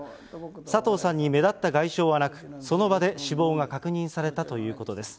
佐藤さんに目立った外傷はなく、その場で死亡が確認されたということです。